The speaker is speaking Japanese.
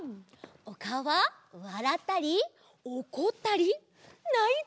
おかおはわらったりおこったりないたり！